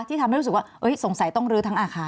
ทำให้รู้สึกว่าสงสัยต้องลื้อทั้งอาคาร